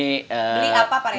beli apa parate